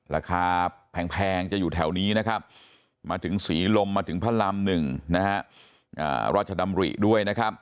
ราคาแพงจะอยู่แถวนี้มาถึงศรีลมมาถึงพระรำ๑ราชดำริด้วย